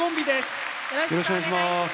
よろしくお願いします！